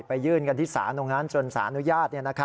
ไปยื่นกันที่สานงานจนสานุญาต